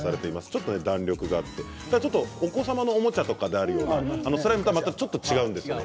ちょっと弾力があってお子様のおもちゃとかであるようなスライムとちょっと違うんですよね。